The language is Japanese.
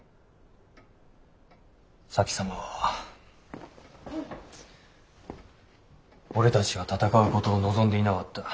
前様は俺たちが戦うことを望んでいなかった。